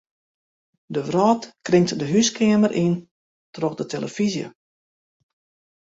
De wrâld kringt de húskeamer yn troch de telefyzje.